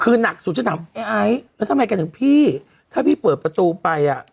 คือหนักสุดฉันถามไอ้ไอซ์แล้วทำไมกันถึงพี่ถ้าพี่เปิดประตูไปอ่ะ